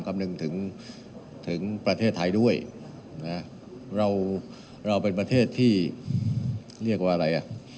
คำนึงถึงประเทศไทยด้วยเราเป็นประเทศที่เรียกว่าอะไร